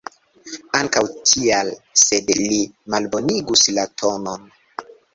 Ankaŭ tial, sed li malbonigus la tonon.